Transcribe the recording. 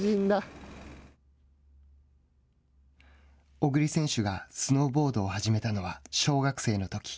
小栗選手がスノーボードを始めたのは小学生のとき。